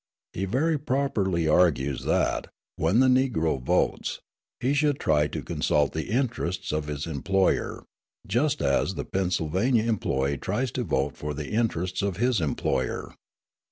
He very properly argues that, when the Negro votes, he should try to consult the interests of his employer, just as the Pennsylvania employee tries to vote for the interests of his employer.